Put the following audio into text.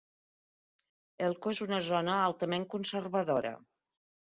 Elko és una zona altament conservadora.